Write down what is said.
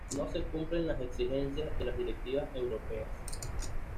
No se cumplen las exigencias de las directivas europeas